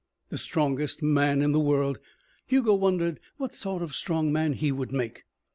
The strongest man in the world. Hugo wondered what sort of strong man he would make.